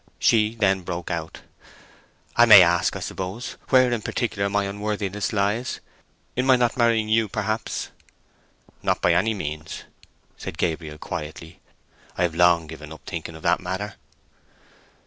She then broke out— "I may ask, I suppose, where in particular my unworthiness lies? In my not marrying you, perhaps!" "Not by any means," said Gabriel quietly. "I have long given up thinking of that matter."